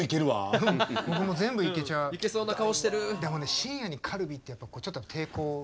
深夜にカルビってやっぱちょっと抵抗が。